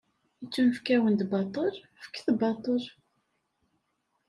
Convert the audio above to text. Ittunefk-awen-d baṭel, fket baṭel.